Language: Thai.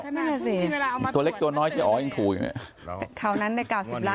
นั่นแหละสิตัวเล็กตัวน้อยเจ๊อ๋อยังถูกอยู่เนี่ยคราวนั้นได้เก้าสิบล้าน